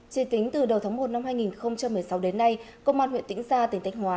trên tính từ đầu tháng một năm hai nghìn một mươi sáu đến nay công an huyện tỉnh sa tỉnh tách hóa